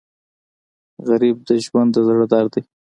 غریب د ژوند د زړه درد دی